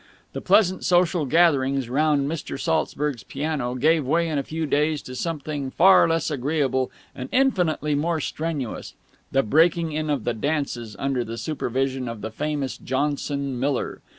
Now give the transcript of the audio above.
The pleasant social gatherings round Mr. Saltzburg's piano gave way in a few days to something far less agreeable and infinitely more strenuous, the breaking in of the dances under the supervision of the famous Johnson Miller.